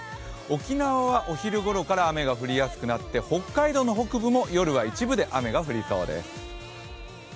沖縄ではお昼ごろから雨が降りやすくなって、北海道の北部も夜は一部で雨が降りそうです。